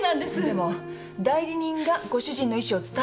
でも代理人がご主人の意志を伝えるものなんですよ。